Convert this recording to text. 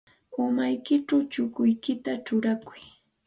Umaykićhaw chukuykita churaykuy.